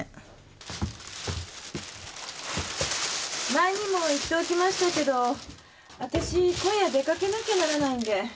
前にも言っておきましたけどわたし今夜出かけなきゃならないんで。